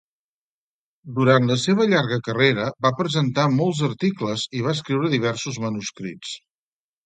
Durant la seva llarga carrera va presentar molts articles i va escriure diversos manuscrits.